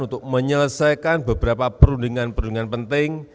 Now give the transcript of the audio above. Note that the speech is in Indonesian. untuk menyelesaikan beberapa perundingan perundingan penting